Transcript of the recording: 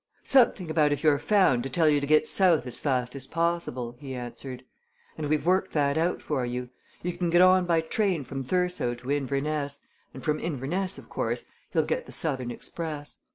"Something about if you're found to tell you to get south as fast as possible," he answered. "And we've worked that out for you. You can get on by train from Thurso to Inverness, and from Inverness, of course, you'll get the southern express.